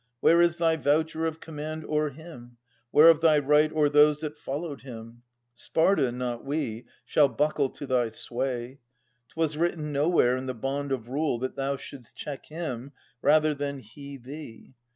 Where is thy voucher of command o'er him ? Where of thy right o'er those that followed him ? Sparta, not we, shall buckle to thy sway. 'Twas written nowhere in the bond of rule That thou shouldst check him rather than he thee.